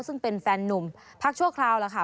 ซึ่งเป็นแฟนนุ่มพักชั่วคราวแล้วค่ะ